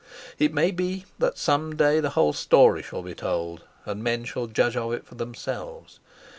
It may be that some day the whole story shall be told, and men shall judge of it for themselves.